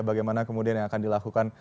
bagaimana kemudian yang akan dilakukan